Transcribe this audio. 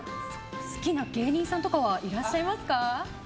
好きな芸人さんとかはいらっしゃいますか？